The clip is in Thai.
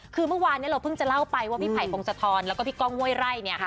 คือเมื่อวานเนี่ยเราเพิ่งจะเล่าไปว่าพี่ไผ่ภงสะทอนแล้วก็พี่ก้องเมื่อยไล่เนี่ย